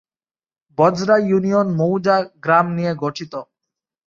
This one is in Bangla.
বজরা ইউনিয়ন মৌজা/গ্রাম নিয়ে গঠিত।